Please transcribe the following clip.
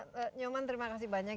pak nyoman terima kasih banyak